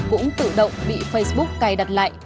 cũng tự động bị facebook cài đặt lại